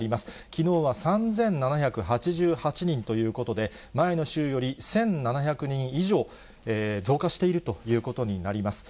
きのうは３７８８人ということで、前の週より１７００人以上増加しているということになります。